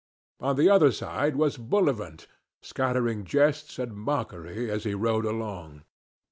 On the other side was Bullivant, scattering jests and mockery as he rode along.